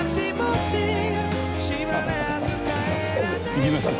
行きますか。